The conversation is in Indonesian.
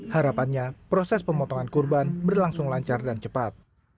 harapannya proses pemotongan kurban berlangsung lancar dan cepat